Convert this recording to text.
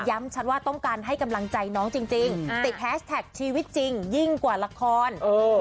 ย้ำชัดว่าต้องการให้กำลังใจน้องจริงอาทิตย์แพสต์แทคชีวิตจริงยิ่งกว่าราคอลเออ